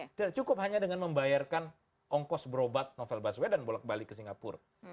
tidak cukup hanya dengan membayarkan ongkos berobat novel baswedan bolak balik ke singapura